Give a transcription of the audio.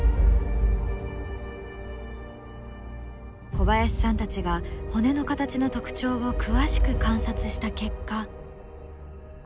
小林さんたちが骨の形の特徴を詳しく観察した結果。